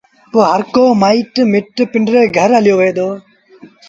پو هرڪو مآئيٽ مٽ پنڊري گھر هليو وهي دو